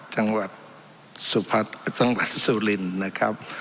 จังหวัดสุรินนะครับ